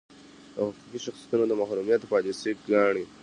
د حقوقي شخصیتونو د محرومیت پالیسي ګانې.